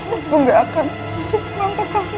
aku nggak akan masuk rumah ke kamu